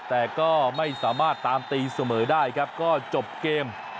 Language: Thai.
แต่ก็ไม่สามารถตามตีเสมอได้ครับก็จบเกม